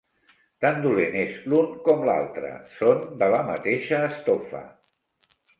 Tan dolent és l'un com l'altre: són de la mateixa estofa.